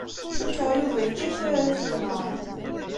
Cukkeɣ Yuba yečča kra ara t-yenɣen.